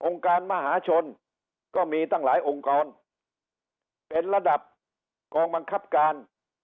การมหาชนก็มีตั้งหลายองค์กรเป็นระดับกองบังคับการ